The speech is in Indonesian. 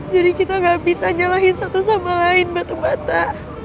jadi kita gak bisa nyalahin satu sama lain batu mata